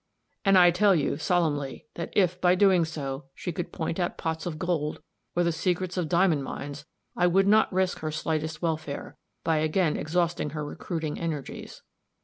And I tell you, solemnly, that if, by so doing, she could point out pots of gold, or the secrets of diamond mines, I would not risk her slightest welfare, by again exhausting her recruiting energies.